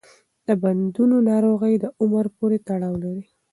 د بندونو ناروغي د عمر پورې تړاو لري.